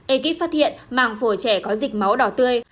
ekip phát hiện màng phổi trẻ có dịch máu đỏ tươi